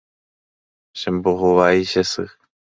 Chembohovái che sy.